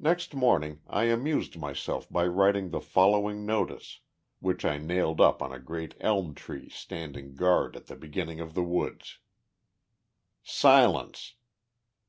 Next morning I amused myself by writing the following notice, which I nailed up on a great elm tree standing guard at the beginning of the woods: SILENCE!